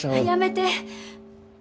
やめて！